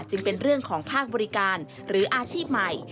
จึงเป็นเรื่องของภาคบริการหรืออาชีพใหม่